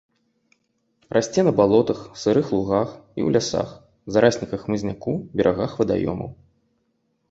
Расце на балотах, сырых лугах і ў лясах, зарасніках хмызняку, берагах вадаёмаў.